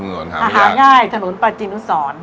อาหารง่ายถนนปาจินุสร